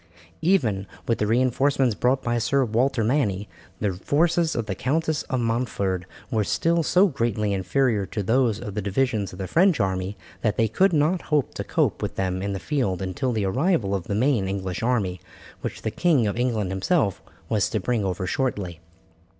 Even with the reinforcements brought by Sir Walter Manny, the forces of the Countess of Montford were still so greatly inferior to those of the divisions of the French army that they could not hope to cope with them in the field until the arrival of the main English army, which the King of England himself was to bring over shortly.